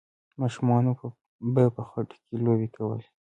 ماشومانو به په خټو کې لوبې کولې.